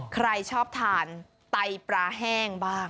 ใครชอบทานไตปลาแห้งบ้าง